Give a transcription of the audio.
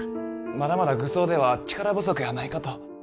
まだまだ愚僧では力不足やないかと。